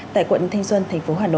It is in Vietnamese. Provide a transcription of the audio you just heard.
tại quận thanh xuân thành phố hà nội